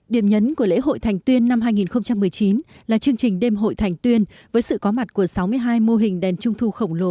điểm nhấn của lễ hội thành tuyên năm hai nghìn một mươi chín là chương trình đêm hội thành tuyên với sự có mặt của sáu mươi hai mô hình đèn trung thu khổng lồ